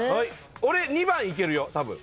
俺２番いけるよ。